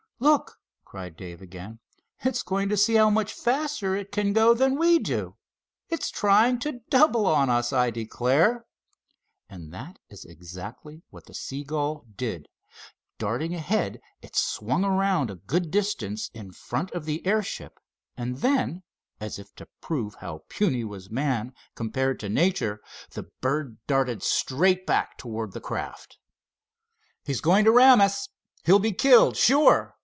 "Look!" cried Dave again. "It's going to see how much faster it can go than we do. It's trying to double on us, I declare!" And that is exactly what the seagull did. Darting ahead it swung around a good distance in front of the airship, and then, as if to prove how puny was man, compared to nature, the bird darted straight back toward the craft. "He's going to ram us—he'll be killed, sure!"